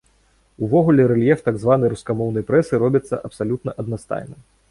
Увогуле рэльеф так званай рускамоўнай прэсы робіцца абсалютна аднастайным.